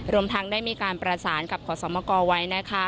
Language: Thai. รวมทั้งได้มีการประสานกับขอสมกรไว้นะคะ